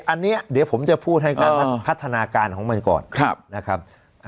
อันนี้เดี๋ยวผมจะพูดให้การพัฒนาการของมันก่อนนะครับ